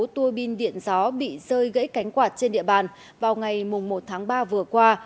tuôi bin điện gió bị rơi gãy cánh quạt trên địa bàn vào ngày một tháng ba vừa qua